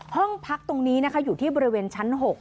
ห้องพักตรงนี้นะคะอยู่ที่บริเวณชั้น๖